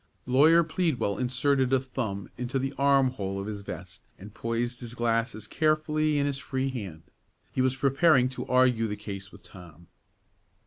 Lawyer Pleadwell inserted a thumb into the arm hole of his vest, and poised his glasses carefully in his free hand. He was preparing to argue the case with Tom.